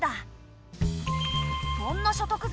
そんな所得税